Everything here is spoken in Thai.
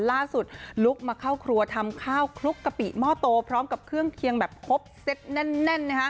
ลุกมาเข้าครัวทำข้าวคลุกกะปิหม้อโตพร้อมกับเครื่องเคียงแบบครบเซตแน่น